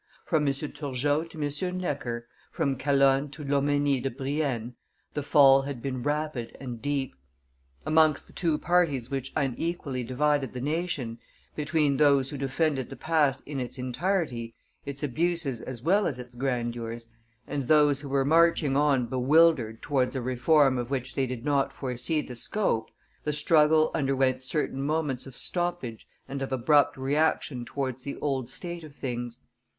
From M. Turgot to M. Necker, from Calonne to Lomenie de Brienne, the fall had been rapid and deep. Amongst the two parties which unequally divided the nation, between those who defended the past in its entirety, its abuses as well as its grandeurs, and those who were marching on bewildered towards a reform of which they did not foresee the scope, the struggle underwent certain moments of stoppage and of abrupt reaction towards the old state of things.